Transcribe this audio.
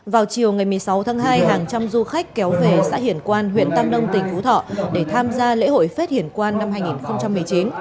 vào chiều ngày một mươi sáu tháng hai hàng trăm du khách kéo về xã hiển quan huyện tam nông tỉnh phú thọ để tham gia lễ hội phết hiển quan năm hai nghìn một mươi chín